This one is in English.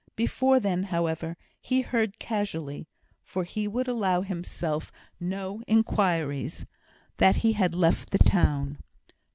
Before then, however, he heard casually (for he would allow himself no inquiries) that he had left the town.